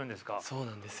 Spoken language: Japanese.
そうなんですよ。